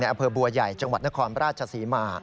อำเภอบัวใหญ่จังหวัดนครราชศรีมา